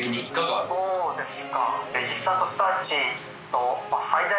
あぁそうですか。